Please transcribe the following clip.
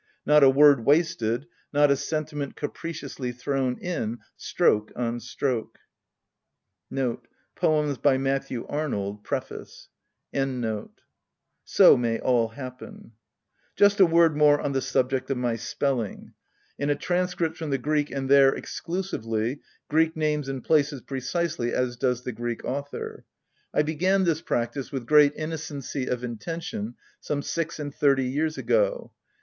. not a word wasted, not a sentiment capriciously thrown in, stroke on stroke !"^ So may all happen ! Just a word more on the subject of my spelling — in a * Poems by Matthew Arnold, Preface. transcript from the Greek and there exclusively — Greek names and places precisely as does the Greek author. I began this practice, with great innocency of intention, some six and thirty years ago.